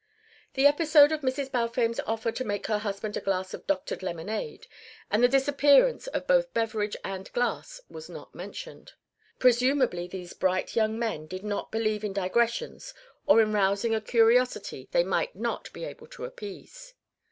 The episode of Mrs. Balfame's offer to make her husband a glass of doctored lemonade and the disappearance of both beverage and glass was not mentioned; presumably these bright young men did not believe in digressions or in rousing a curiosity they might not be able to appease.